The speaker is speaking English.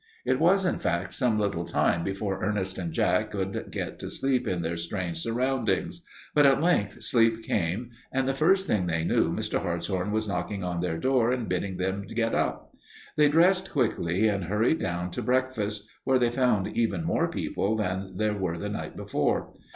It was, in fact, some little time before Ernest and Jack could get to sleep in their strange surroundings, but at length sleep came, and the first thing they knew Mr. Hartshorn was knocking on their door and bidding them get up. They dressed quickly and hurried down to breakfast, where they found even more people than there were the night before.